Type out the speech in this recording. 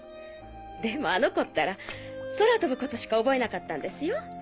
でもあの子ったら空飛ぶことしか覚えなかったんですよ。